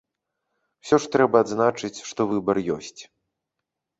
Усё ж трэба адзначыць, што выбар ёсць.